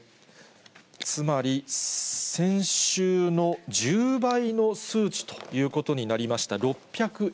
つまり先週の１０倍の数値ということになりました。